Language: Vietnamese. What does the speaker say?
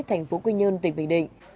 tp quy nhơn tỉnh bình định